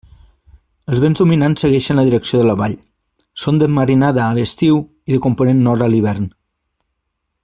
Els vents dominants segueixen la direcció de la vall; són de marinada a l'estiu i de component nord a l'hivern.